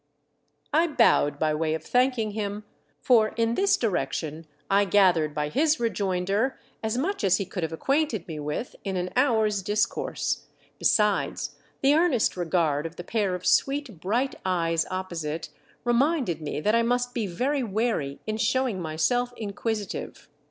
I bowed by way of thanking him, for in this direction I gathered by his rejoinder as much as he could have acquainted me with in an hour's discourse, besides, the earnest regard of the pair of sweet bright eyes opposite reminded me that I must be very wary in showing myself inquisitive.